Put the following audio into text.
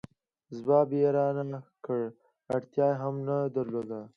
ځواب یې را نه کړ، اړتیا یې هم نه درلوده.